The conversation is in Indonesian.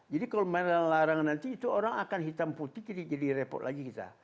jadi kalau melarang nanti itu orang akan hitam putih jadi repot lagi kita